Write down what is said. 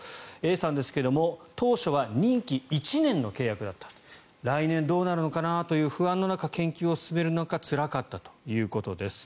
Ａさんですが当初は任期１年の契約だった来年どうなるのかなという不安の中、研究を進めるのがつらかったということです。